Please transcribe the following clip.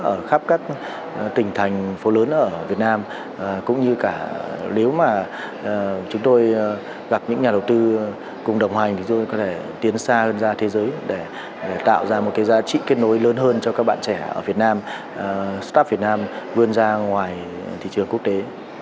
ở khắp các tỉnh thành phố lớn ở việt nam cũng như cả nếu mà chúng tôi gặp những nhà đầu tư cùng đồng hành thì tôi có thể tiến xa hơn ra thế giới để tạo ra một cái giá trị kết nối lớn hơn cho các bạn trẻ ở việt nam start việt nam vươn ra ngoài thị trường quốc tế